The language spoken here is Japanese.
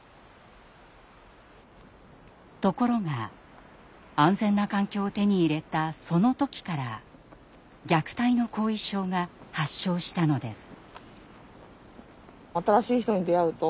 ところが安全な環境を手に入れたその時から虐待の“後遺症”が発症したのです。